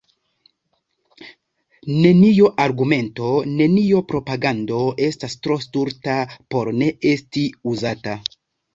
Neniu argumento, neniu propagando estas tro stulta por ne esti uzata.